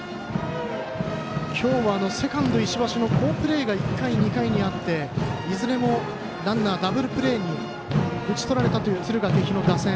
今日はセカンド、石橋の好プレーがあっていずれも、ランナーダブルプレーに打ち取られた敦賀気比の打線。